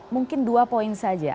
mungkin dua poin saja